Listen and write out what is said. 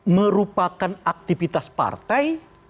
merupakan aktivitas partai